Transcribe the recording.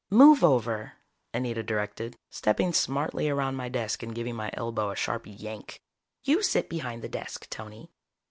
"Move over," Anita directed, stepping smartly around my desk and giving my elbow a sharp yank. "You sit behind the desk, Tony.